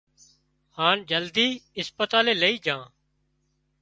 هانَ جلدي اسپتالئي لئي جھان